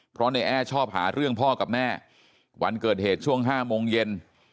เพราะในแอ้ชอบหาเรื่องพ่อกับแม่วันเกิดเหตุช่วง๕โมงเย็น